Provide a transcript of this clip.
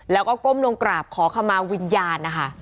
แล้วก็ก้มลงกราบขอขมาวิญญาณนะคะ